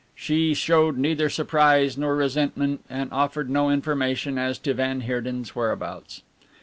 She showed neither surprise nor resentment and offered no information as to van Heerden's whereabouts.